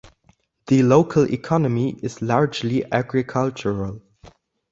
The local economy is largely agricultural.